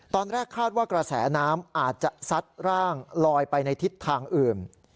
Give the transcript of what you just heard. ตอนแรกคาดว่ากระแสน้ำอาจจะซัดร่างลอยไปในทิศทางอื่น